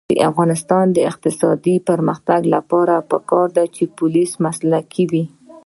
د افغانستان د اقتصادي پرمختګ لپاره پکار ده چې پولیس مسلکي وي.